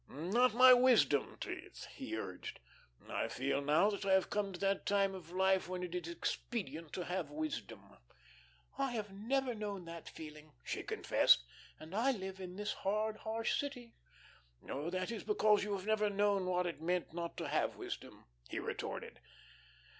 "Not my wisdom teeth," he urged. "I feel now that I have come to that time of life when it is expedient to have wisdom." "I have never known that feeling," she confessed, "and I live in the 'hard, harsh' city." "Oh, that is because you have never known what it meant not to have wisdom," he retorted.